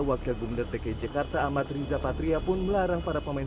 wakil gubernur dki jakarta amat riza patria pun melarang para pemain